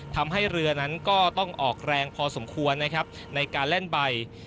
ทำให้เรือนั้นก็ต้องออกแรงพอสมควรนะครับในการเล่นใบ